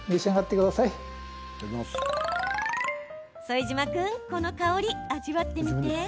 副島君、この香り味わってみて！